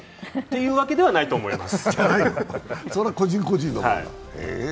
いうわけではないと思います。